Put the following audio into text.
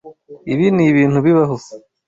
Ibi nibintu bibaho.